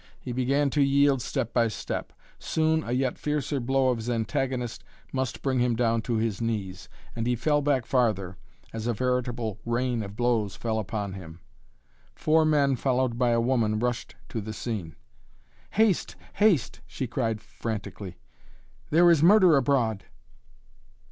He began to yield step by step. Soon a yet fiercer blow of his antagonist must bring him down to his knees, and he fell back farther, as a veritable rain of blows fell upon him. Four men followed by a woman rushed to the scene. "Haste! Haste!" she cried frantically. "There is murder abroad!"